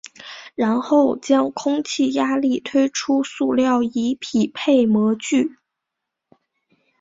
然后将空气压力推出塑料以匹配模具。